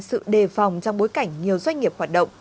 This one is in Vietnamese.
sự đề phòng trong bối cảnh nhiều doanh nghiệp hoạt động